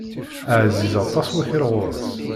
Ɛziz aṭas wakal ɣur-s.